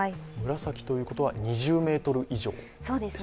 紫ということは２０メートル以上ですか？